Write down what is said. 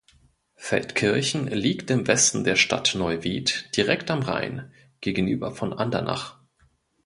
Feldkirchen liegt im Westen der Stadt Neuwied direkt am Rhein, gegenüber von Andernach.